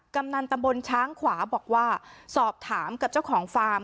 กำนันตำบลช้างขวาบอกว่าสอบถามกับเจ้าของฟาร์ม